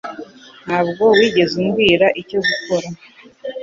Ntabwo wigeze umbwira icyo gukora